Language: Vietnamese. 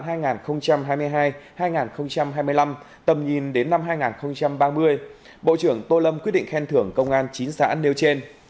từ năm hai nghìn hai mươi năm tầm nhìn đến năm hai nghìn ba mươi bộ trưởng tô lâm quyết định khen thưởng công an chín xã nêu trên